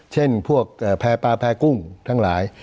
เช่นพวกแพร่ปลาแพร่กุ้งทั้งหลาย